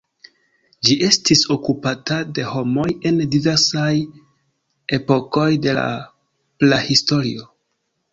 Ĝi estis okupata de homoj en diversaj epokoj de la Prahistorio.